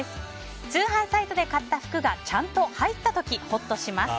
通販サイトで買った服がちゃんと入った時ほっとします。